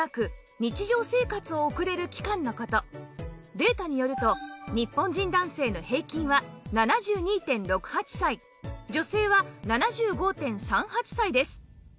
データによると日本人男性の平均は ７２．６８ 歳女性は ７５．３８ 歳です